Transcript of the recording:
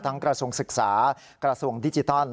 กระทรวงศึกษากระทรวงดิจิทัล